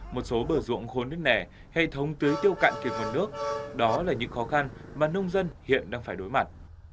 một số bờ rượu cũng khốn nứt nẻ hệ thống tưới tiêu cạn kiệt nguồn nước đó là những khó khăn mà nông dân hiện đang phải đối mặt